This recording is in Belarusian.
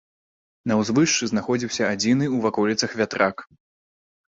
На ўзвышшы знаходзіўся адзіны ў ваколіцах вятрак.